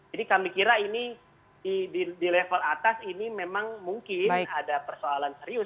jadi kami kira ini di level atas ini memang mungkin ada persoalan serius